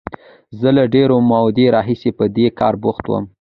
زه له ډېرې مودې راهیسې په دې کار بوخت وم.